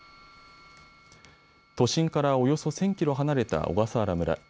都心からおよそ１０００キロ離れた小笠原村。